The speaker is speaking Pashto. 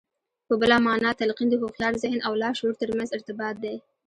په بله مانا تلقين د هوښيار ذهن او لاشعور ترمنځ ارتباط دی.